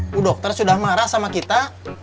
bu dokter sudah marah sama kita